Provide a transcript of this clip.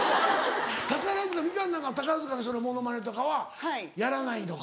宝塚みかんなんか宝塚の人のモノマネとかはやらないのか。